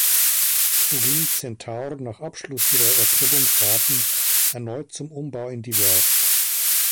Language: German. So ging "Centaur", nach Abschluss ihrer Erprobungsfahrten, erneut zum Umbau in die Werft.